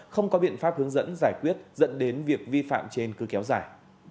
không có biện pháp hướng dẫn giải quyết dẫn đến việc vi phạm trên cư kéo giải